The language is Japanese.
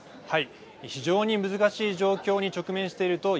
はい。